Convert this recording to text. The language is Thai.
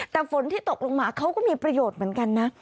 แต่ฝนที่ตกลงมาเขาก็มีประโยชน์เหมือนกันนะ